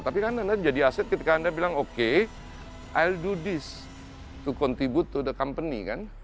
tapi kan anda jadi aset ketika anda bilang oke il do this to contribute to the company kan